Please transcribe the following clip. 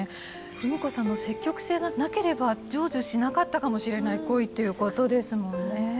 文子さんの積極性がなければ成就しなかったかもしれない恋っていうことですもんね。